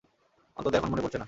অন্তত এখন মনে পড়ছে না।